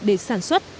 để sản xuất